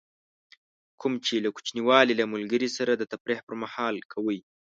کوم چې له کوچنیوالي له ملګري سره د تفریح پر مهال کوئ.